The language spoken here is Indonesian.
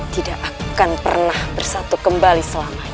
tidak akan pernah bersatu kembali selamanya